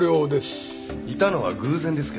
いたのは偶然ですけどね。